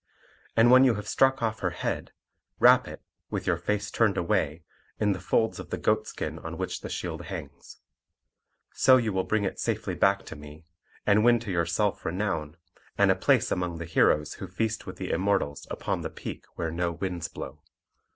And when you have struck off her head, wrap it, with your face turned away, in the folds of the goatskin on which the shield hangs. So you will bring it safely back to me, and win to yourself renown, and a place among the heroes who feast with the Immortals upon the peak where no winds blow."